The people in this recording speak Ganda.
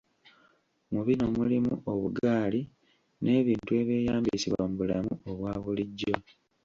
Mu bino mulimu; obugaali n'ebintu ebyeyambisibwa mu bulamu obwabulijjo.